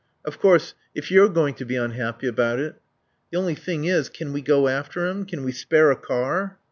"Of course, if you're going to be unhappy about it " "The only thing is, can we go after him? Can we spare a car?"